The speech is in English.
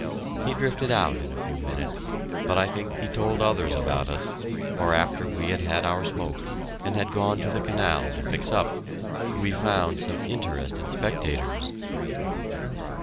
He drifted out in a few minutes, but I think he told others about us, for after we had had our smoke, and had gone to the canal to fix up, we found some interested spectators.